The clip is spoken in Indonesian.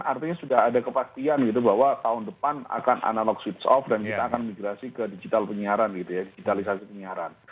artinya sudah ada kepastian gitu bahwa tahun depan akan analog switch off dan kita akan migrasi ke digital penyiaran gitu ya digitalisasi penyiaran